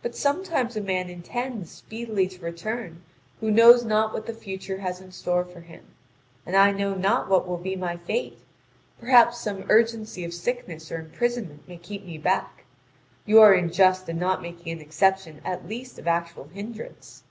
But sometimes a man intends speedily to return who knows not what the future has in store for him. And I know not what will be my fate perhaps some urgency of sickness or imprisonment may keep me back: you are unjust in not making an exception at least of actual hindrance."